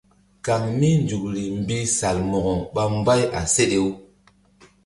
Kaŋ mí nzukri mbi Salmo̧ko ɓa mbay a seɗe-u.